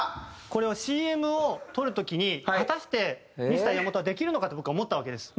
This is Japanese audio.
これはＣＭを撮る時に果たしてミスター岩本はできるのかと僕は思ったわけです。